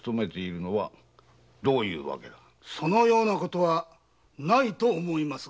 そのようなことはないと思いますが。